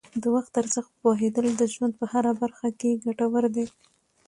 د وخت ارزښت پوهیدل د ژوند په هره برخه کې ګټور دي.